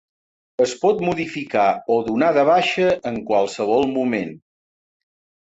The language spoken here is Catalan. Es pot modificar o donar de baixa en qualsevol moment.